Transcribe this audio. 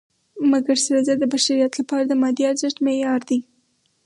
مګر سره زر د بشریت لپاره د مادي ارزښت معیار دی.